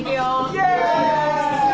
イエーイ！